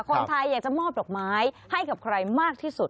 คนไทยอยากจะมอบดอกไม้ให้กับใครมากที่สุด